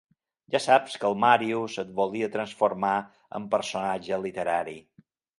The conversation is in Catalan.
Ja saps que el Màrius et volia transformar en personatge literari.